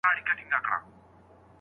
څوک له چا څخه ميراث وړلای سي؟